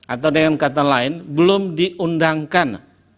atau dengan kata lain belum diundangkan